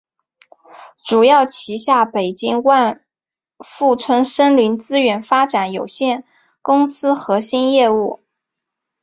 主要旗下北京万富春森林资源发展有限公司核心业务。